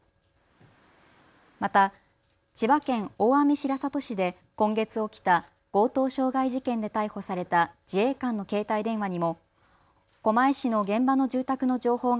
また千葉県大網白里市で今月起きた強盗傷害事件で逮捕された自衛官の携帯電話にも狛江市の現場の住宅の情報が